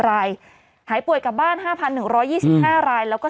รายหายป่วยกลับบ้านห้าพันหนึ่งร้อยยี่สิบห้ารายแล้วก็